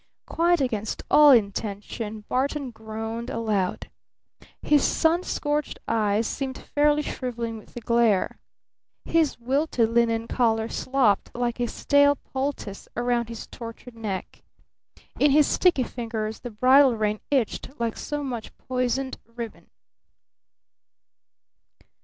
Quite against all intention Barton groaned aloud. His sun scorched eyes seemed fairly shriveling with the glare. His wilted linen collar slopped like a stale poultice around his tortured neck. In his sticky fingers the bridle rein itched like so much poisoned ribbon.